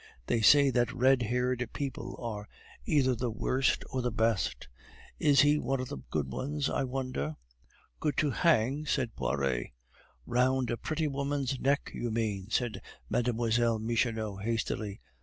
They say that red haired people are either the worst or the best. Is he one of the good ones, I wonder?" "Good to hang," said Poiret. "Round a pretty woman's neck, you mean," said Mlle Michonneau, hastily.